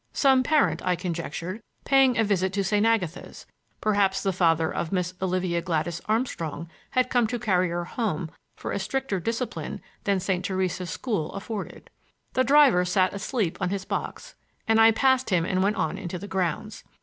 Some parent, I conjectured, paying a visit to St. Agatha's; perhaps the father of Miss Olivia Gladys Armstrong had come to carry her home for a stricter discipline than Sister Theresa's school afforded. The driver sat asleep on his box, and I passed him and went on into the grounds.